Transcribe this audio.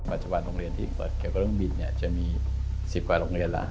ปัจจุบันโรงเรียนที่เปิดเกี่ยวกับเรื่องบินจะมี๑๐กว่าโรงเรียนแล้ว